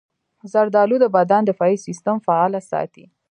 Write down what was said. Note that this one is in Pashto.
زردالو د بدن دفاعي سستم فعال ساتي.